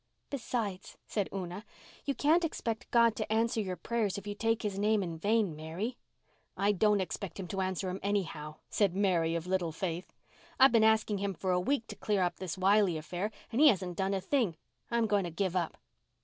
"Besides," said Una, "you can't expect God to answer your prayers if you take His name in vain, Mary." "I don't expect Him to answer 'em anyhow," said Mary of little faith. "I've been asking Him for a week to clear up this Wiley affair and He hasn't done a thing. I'm going to give up."